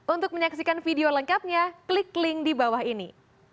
untuk menyaksikan video lengkapnya klik link di bawah ini